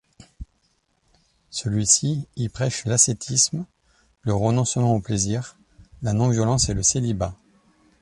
Celui-ci y prêche l’ascétisme, le renoncement aux plaisirs, la non-violence et le célibat.